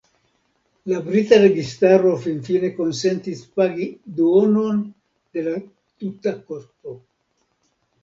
La brita registaro finfine konsentis pagi duonon de la tuta kosto.